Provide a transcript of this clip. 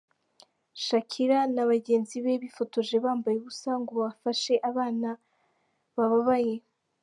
Shakira na nabajyenzi be bifotoje bambaye ubusa ngo bafashe abana bababaye